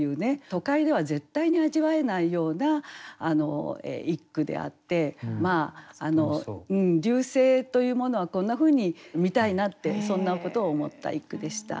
都会では絶対に味わえないような一句であって流星というものはこんなふうに見たいなってそんなことを思った一句でした。